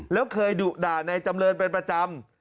แล้วเคยดุด่าในจำเรินเป็นประจำ